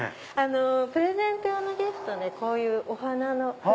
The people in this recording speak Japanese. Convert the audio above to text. プレゼント用のギフトでこういうお花の。